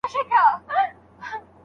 زه کولای سم اوبه وڅښم.